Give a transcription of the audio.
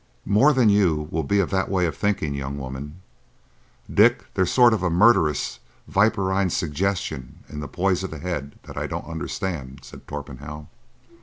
"More than you will be of that way of thinking, young woman.—Dick, there's a sort of murderous, viperine suggestion in the poise of the head that I don't understand," said Torpenhow.